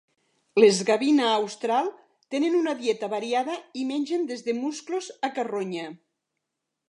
Les gavina austral tenen una dieta variada i mengen des de musclos a carronya.